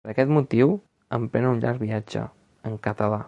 Per aquest motiu, emprèn un llarg viatge… En català.